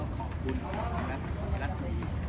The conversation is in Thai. และก็ขอบคุณเป็นรัฐบิน